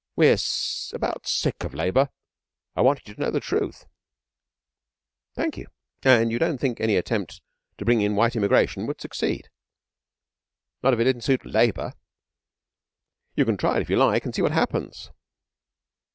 We're about sick of Labour. I wanted you to know the truth.' 'Thank you. And you don't think any attempt to bring in white immigration would succeed?' 'Not if it didn't suit Labour. You can try it if you like, and see what happens.'